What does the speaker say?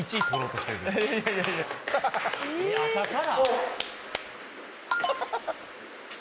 朝から！